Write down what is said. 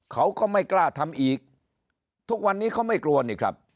เขาก็ไม่กล้าทำอีก